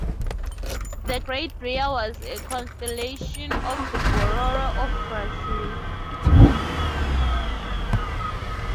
The Great Rhea was a constellation of the Bororo of Brazil.